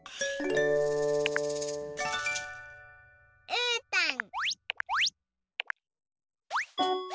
うーたん！